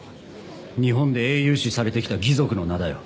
日本で英雄視されてきた義賊の名だよ。